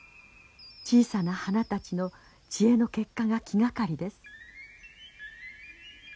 小さな花たちの知恵の結果が気がかりです。